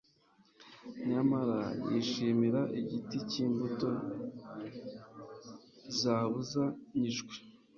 Nyamara yishimira igiti cy’imbuto zabuzanyijwe